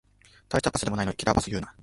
たいしたパスでもないのにキラーパス言うな